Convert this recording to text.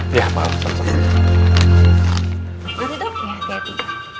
gua tidur ya hati hati